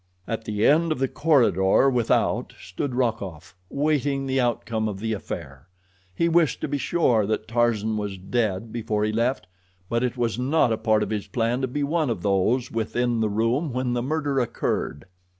At the end of the corridor without stood Rokoff, waiting the outcome of the affair. He wished to be sure that Tarzan was dead before he left, but it was not a part of his plan to be one of those within the room when the murder occurred.